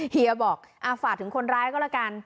เฮียบอกฝากถึงคนร้ายก็แล้วกัน